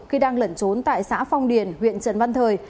khi đang lẩn trốn tại xã phong điền huyện trần văn thời